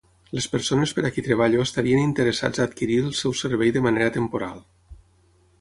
Les persones per a qui treballo estarien interessats a adquirir el seu servei de manera temporal.